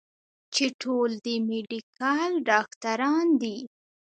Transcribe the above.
چې ټول د ميډيکل ډاکټران دي